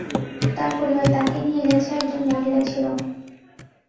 তার পারিবার তাকে নিয়ে গেছে একজন মহিলা ছিল।